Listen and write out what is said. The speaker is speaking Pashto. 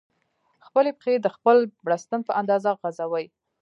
خپلې پښې د خپل بړستن په اندازه غځوئ.